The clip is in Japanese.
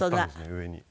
上に。